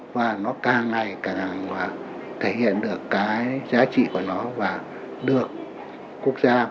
và nó càng ngày càng thể hiện được cái giá trị của nó và được quốc gia và được quốc tế cầu mong